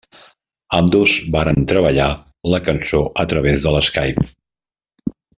Ambdós varen treballar la cançó a través de l'Skype.